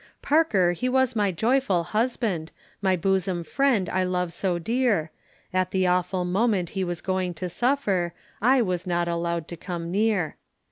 Parker he was my joyful husband, My bosom friend I love so dear; At the awful moment he was going to suffer I was not allowed to come near.